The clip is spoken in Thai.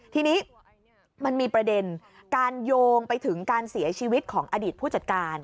ทีนี้มันมีประเด็นการโยงไปถึงการเสียชีวิตของอดีตผู้จัดการ